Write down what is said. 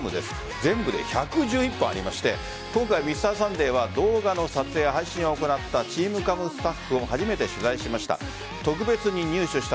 全部で１１１本ありまして今回「Ｍｒ．サンデー」は動画の撮影や配信を行ったＴｅａｍＣａｍスタッフを初めて取材しました。